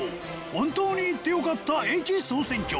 本当に行ってよかった駅総選挙』。